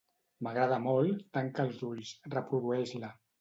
M'agrada molt "Tanca els ulls"; reprodueix-la.